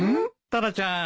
タラちゃん。